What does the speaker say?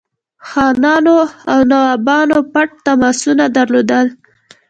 خانانو او نوابانو پټ تماسونه درلودل.